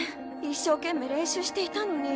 一生懸命練習していたのに。